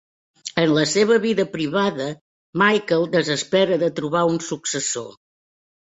En la seva vida privada, Michael desespera de trobar un successor.